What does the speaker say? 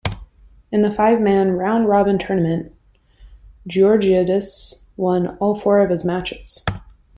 In the five-man, round-robin tournament, Georgiadis won all four of his matches.